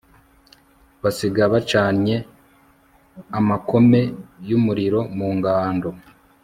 basiga bacanye amakome y'umuriro mu ngando